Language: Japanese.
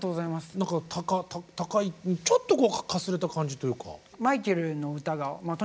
何か高いちょっとこうかすれた感じというか。